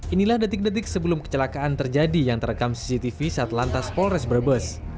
inilah detik detik sebelum kecelakaan terjadi yang terekam cctv saat lantas polres brebes